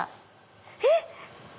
えっ？